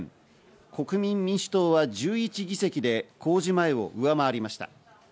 国民民主党は１１議席で公示前を上回りました。